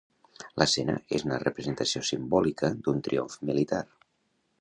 L'escena és una representació simbòlica d'un triomf militar.